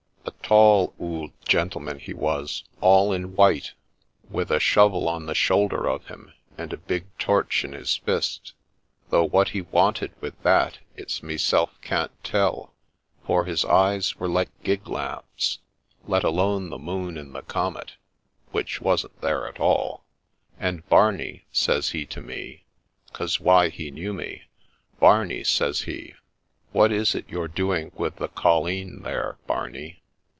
A tall ould gentleman he was, all in white, with a shovel on the shoulder of him, and a big torch in his fist, — though what he wanted with that it 's meself can't tell, for his eyes were like gig lamps, let alone the moon and the comet, which wasn't there at all :— and " Barney," says he to me, — 'cause why he knew me, —" Barney," says he, " what is it you're doing with the colleen there, Barney